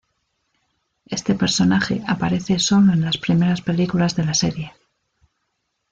Este personaje aparece sólo en las primeras películas de la serie.